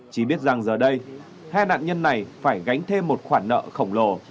chỉ biết rằng giờ đây hai nạn nhân này phải gánh thêm một khoản nợ khổng lồ